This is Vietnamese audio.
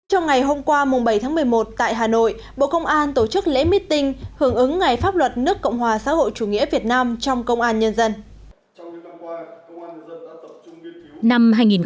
trong ngày hôm qua bảy tháng một mươi một tại hà nội bộ công an tổ chức lễ meeting hưởng ứng ngày pháp luật nước cộng hòa xã hội chủ nghĩa việt nam trong công an nhân dân